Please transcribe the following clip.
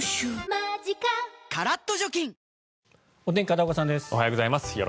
おはようございます。